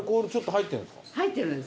入ってるんですね